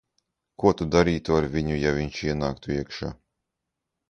Ko tu darītu ar viņu, ja viņš ienāktu iekšā?